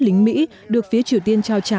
lính mỹ được phía triều tiên trao trả